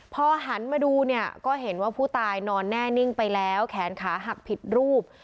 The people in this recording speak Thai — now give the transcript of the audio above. พอหันมาดูเนี่ยก็เห็นว่าผู้ตายนอนแน่นิ่งไปแล้วแขนขาหักผิดรูป